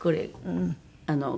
うん。